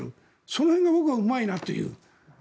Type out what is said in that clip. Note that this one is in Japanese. その辺が僕は、うまいなという。